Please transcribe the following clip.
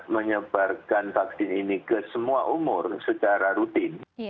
menyebarkan vaksin ini ke semua umur secara rutin